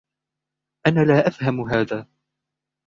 أنا لا أفهم هذا.